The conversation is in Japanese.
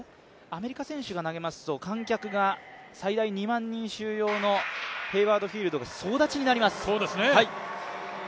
アメリカ選手が投げますと、最大２万人収容のヘイワード・フィールドが総立ちになります。